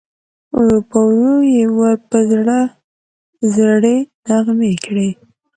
ورو په ورو یې ور په زړه زړې نغمې کړې